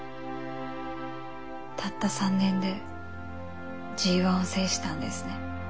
たった３年でＧⅠを制したんですね。